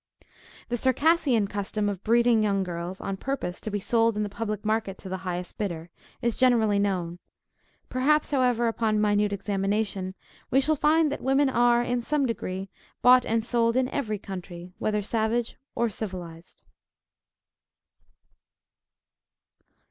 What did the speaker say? The Circassian custom of breeding young girls, on purpose to be sold in the public market to the highest bidder, is generally known. Perhaps, however, upon minute examination, we shall find that women are, in some degree, bought and sold in every country, whether savage or civilized.